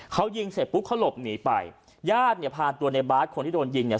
เขายิงเสร็จปุ๊บเขาหลบหนีไปญาติเนี่ยพาตัวในบาสคนที่โดนยิงเนี่ย